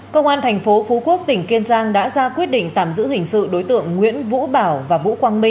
công an thành phố phú quốc tỉnh kiên giang đã ra quyết định tạm giữ hình sự đối tượng nguyễn vũ bảo và vũ quang minh